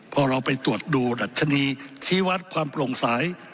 พอเราไปตรวจดูรัฐชนีย์ชีวัตรความโปร่งสาย